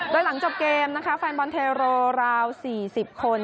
โดยหลังจบเกมฟันบอลเทรอร์โรราว๔๐คน